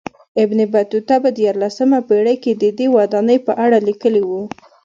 ابن بطوطه په دیارلسمه پېړۍ کې ددې ودانۍ په اړه لیکلي و.